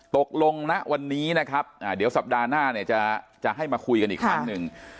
ตกลงณวันนี้นะครับเดี๋ยวสัปดาห์หน้าเนี่ยจะให้มาคุยกันอีกครั้งหนึ่ง